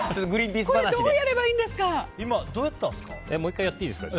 これどうやればいいんですか？